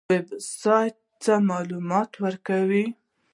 ویب سایټ څه معلومات ورکوي؟